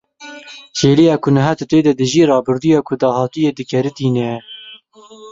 Kêliya ku niha tu tê de dijî, rabirdûya ku dahatûyê dikeritîne ye.